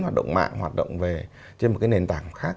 hoạt động mạng hoạt động về trên một cái nền tảng khác